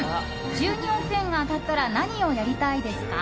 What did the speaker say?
１２億円が当たったら何をやりたいですか？